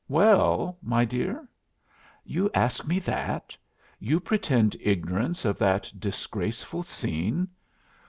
"Well, my dear?" "You ask me that. You pretend ignorance of that disgraceful scene.